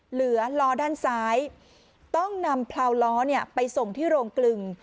เหลือล้อด้านซ้ายต้องนำพลาวล้อไปส่งที่โรงกลึง